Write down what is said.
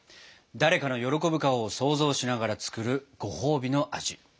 誰かの喜ぶ顔を想像しながら作るごほうびの味。